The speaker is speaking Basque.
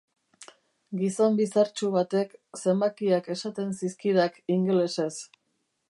Gizon bizartsu batek zenbakiak esaten zizkidak ingelesez.